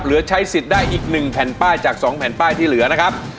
เหลือใช้สิทธิ์ได้อีก๑แผ่นป้ายจาก๒แผ่นป้ายที่เหลือนะครับ